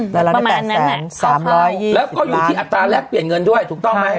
แล้วอยู่ที่อัตราแลกเปลี่ยนเงินด้วยถูกต้องไหม